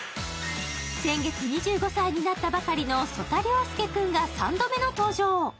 先月２５歳になったばかりの曽田陵介君が３度目の登場。